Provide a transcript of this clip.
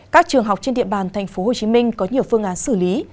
các trường học trên địa bàn tp hcm có nhiều phương án xử lý